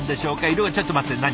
色はちょっと待って何？